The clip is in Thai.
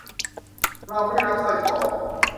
เราไม่ได้รับสร้อยคอ